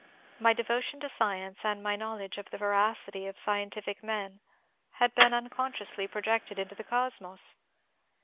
My devotion to science, and my knowledge of the veracity of scientifio men, had been unconsciously pro jected into the Cosmos.